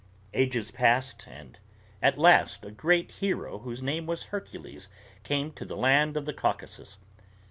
Ages passed, and at last a great hero whose name was Hercules came to the land of the Caucasus.